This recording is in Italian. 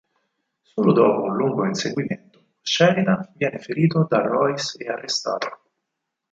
Solo dopo un lungo inseguimento, Sheridan viene ferito da Royce e arrestato.